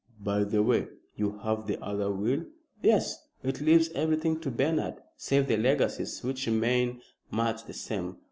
"By the way, you have the other will?" "Yes! It leaves everything to Bernard save the legacies, which remain much the same.